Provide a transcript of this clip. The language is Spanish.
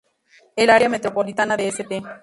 El área metropolitana de St.